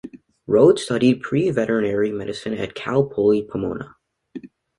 Rhode studied Pre-veterinary medicine at Cal Poly Pomona.